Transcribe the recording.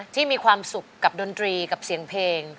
ที่มีความสุขกับดนตรีกับเสียงเพลง